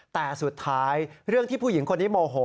แต่สุดท้ายเรื่องที่ผู้หญิงคนนี้โมโห